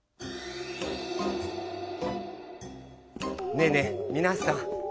ねぇねぇみなさん。